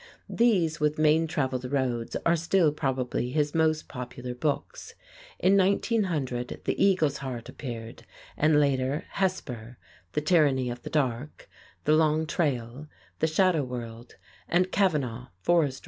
These, with "Main Traveled Roads" are still probably his most popular books. In 1900 "The Eagle's Heart" appeared, and later "Hesper," "The Tyranny of the Dark," "The Long Trail," "The Shadow World" and "Cavanagh, Forest Ranger."